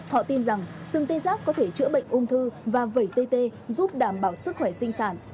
họ tin rằng sừng tê giác có thể chữa bệnh ung thư và vẩy tt giúp đảm bảo sức khỏe sinh sản